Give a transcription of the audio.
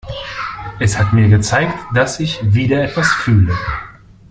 Es hat mir gezeigt, dass ich wieder etwas fühle.